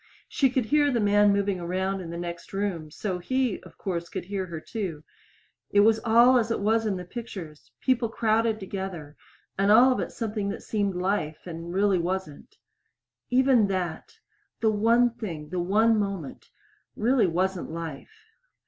She could hear the man moving around in the next room so he, of course, could hear her, too. It was all as it was in the pictures people crowded together, and all of it something that seemed life and really wasn't. Even that the one thing, the one moment really wasn't life.